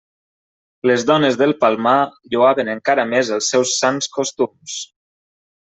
Les dones del Palmar lloaven encara més els seus sans costums.